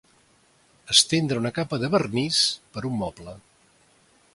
Estendre una capa de vernís per un moble.